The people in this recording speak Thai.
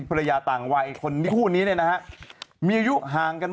แป๊บแป๊บแป๊บ